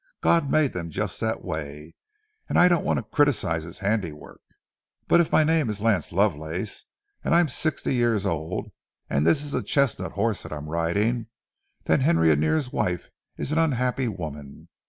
God made them just that way, and I don't want to criticise His handiwork. But if my name is Lance Lovelace, and I'm sixty odd years old, and this a chestnut horse that I'm riding, then Henry Annear's wife is an unhappy woman.